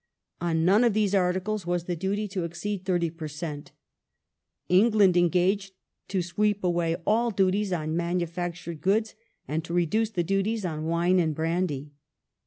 On none of these articles was the duty to exceed 30 per cent. England engaged to sweep away all duties on manufactured goods, and to reduce the duties on wine and brandy.